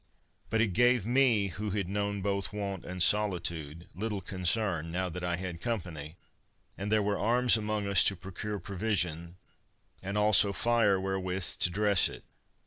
But it gave me, who had known both want and solitude, little concern, now that I had company, and there were arms among us to procure provision, and also fire wherewith to dress it.